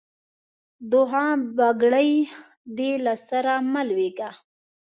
دوعا؛ بګړۍ دې له سره مه لوېږه.